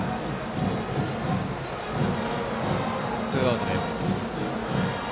ツーアウトです。